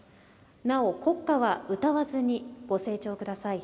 なお国歌は歌わずにご静聴ください。